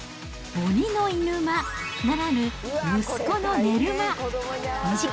鬼のいぬ間ならぬ、息子の寝る間。